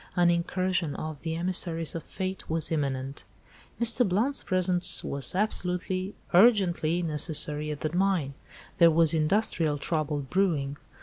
An incursion of the emissaries of Fate was imminent. "Mr. Blount's presence was absolutely, urgently necessary at the mine. There was industrial trouble brewing.